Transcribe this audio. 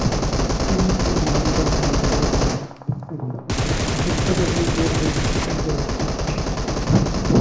স্নেহ প্রেম মমতা সৌন্দর্য ধর্ম সমস্তই মিথ্যা, সত্য কেবল তোর ঐ অনন্ত রক্ততৃষা?